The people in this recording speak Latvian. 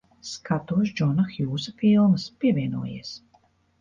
Skatos Džona Hjūsa filmas. Pievienojies.